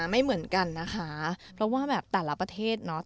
ไม่เหมือนกันนะคะเพราะว่าแบบแต่ละประเทศเนาะ